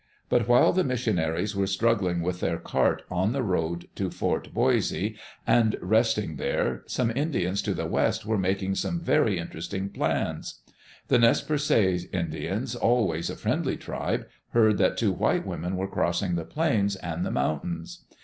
But while the missionaries were struggling with their cart on the road to Fort Boise, and resting there, some Indians to the west were making some very interesting plans. The Nez Perces Indians, always a friendly tribe, heard that two white women were crossing the plains and the mountains.